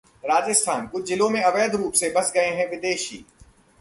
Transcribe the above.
राजस्थानः कुछ जिलों में अवैध रूप से बस गए हैं विदेशी